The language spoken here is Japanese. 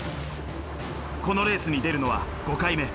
このレースに出るのは５回目。